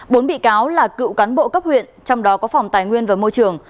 bốn bị cáo là cựu cán bộ cấp huyện trong đó có phòng tài nguyên và môi trường